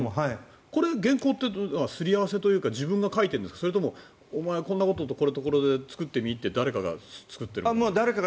これ原稿ってすり合わせというか自分が書いているんですかそれともお前、こんなこととこれとこれで作ってみって誰かが作ってるんですか。